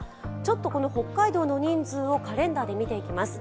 この北海道の人数をカレンダーで見ていきます。